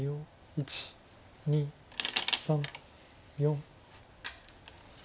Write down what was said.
１２３４。